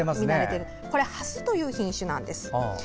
ハスという品種なんです。